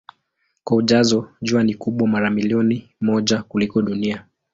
Kwa ujazo Jua ni kubwa mara milioni moja kuliko Dunia.